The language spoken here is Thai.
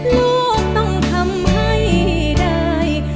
ลูกต้องทำให้ได้